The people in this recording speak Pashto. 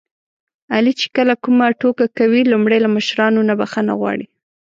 علي چې کله کومه ټوکه کوي لومړی له مشرانو نه بښنه غواړي.